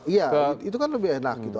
iya itu kan lebih enak gitu